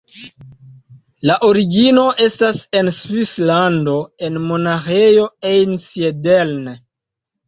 La origino estas en Svislando, en Monaĥejo Einsiedeln.